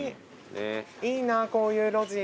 いいなこういう路地。